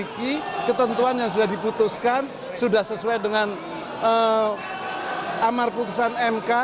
ini adalah suatu ketentuan yang sudah diputuskan sudah sesuai dengan amar putusan mk